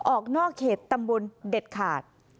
ออกนอกเขตตำบลเด็ดขาด